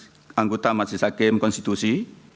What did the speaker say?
ketua dan anggota masih sakim konstitusi